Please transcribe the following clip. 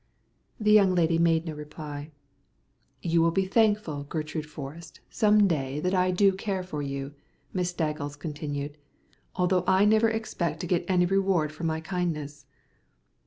The young lady made no reply. "You will be thankful, Gertrude Forrest, some day that I do care for you," Miss Staggles continued, "although I never expect to get any reward for my kindness."